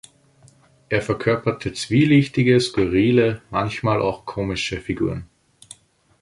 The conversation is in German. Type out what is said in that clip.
Er verkörperte zwielichtige, skurrile, manchmal auch komische Figuren.